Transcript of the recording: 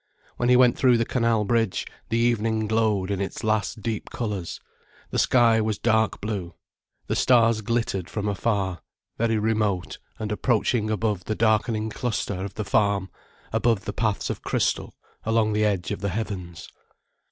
When he went through the Canal bridge, the evening glowed in its last deep colours, the sky was dark blue, the stars glittered from afar, very remote and approaching above the darkening cluster of the farm, above the paths of crystal along the edge of the heavens.